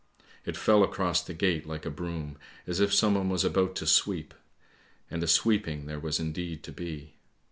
It fell across the gate like a broom, as if someone was about to sweep; and a sweeping there was indeed to be.